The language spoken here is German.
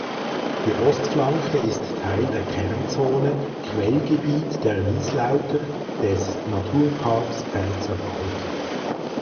Die Ostflanke ist Teil der Kernzone „Quellgebiet der Wieslauter“ des Naturparks Pfälzerwald.